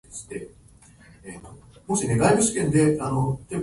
雲が厚くなって雨が降りそうです。